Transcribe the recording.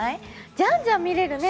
じゃんじゃん見れるね。